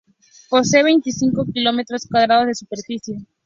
Posee veinticinco kilómetros cuadrados de superficie.